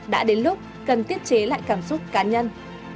đã đến lúc cần thiết chế lại cảm xúc cá nhân